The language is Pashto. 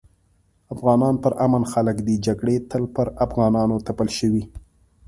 افغانان پر امن خلک دي جګړي تل په افغانانو تپل شوي